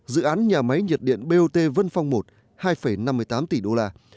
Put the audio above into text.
dự án nhà máy nhiệt điện bot vân phong i hai năm mươi tám tỷ đô la